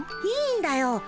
いいんだよ。